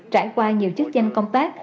trải qua nhiều chức danh công tác